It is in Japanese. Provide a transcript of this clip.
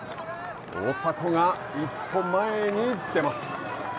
大迫が一歩前に出ます。